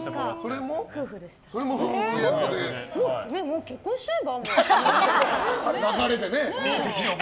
もう結婚しちゃえば？